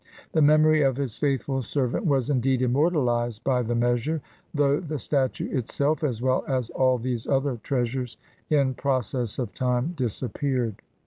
The memory of his faithful servant was indeed immortahzed by the measure, though the statue itself, as well as all these other treasures, in process of time disappeared.